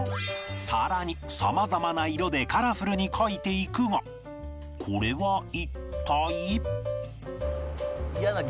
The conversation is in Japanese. さらに様々な色でカラフルに描いていくがこれは一体？